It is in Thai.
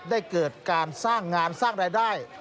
เกิดการสร้างงานสร้างรายได้